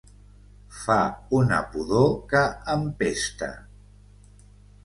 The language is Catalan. Fa una pudor que empesta!